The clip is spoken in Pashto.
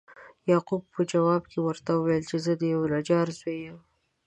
یعقوب په جواب کې ورته وویل چې زه د یوه نجار زوی یم.